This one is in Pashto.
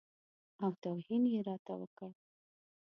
او توهین یې راته وکړ.